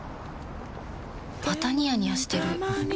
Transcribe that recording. またニヤニヤしてるふふ。